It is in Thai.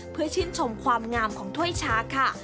เพื่อชื่นชมความงามของถ้วยชาค่ะ